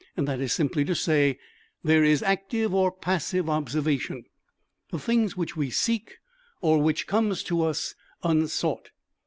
That is simply to say, there is active or passive observation the things which we seek or which come to us unsought.